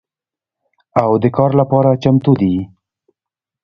او د کار لپاره چمتو دي